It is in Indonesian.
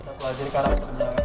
kita belajar sekarang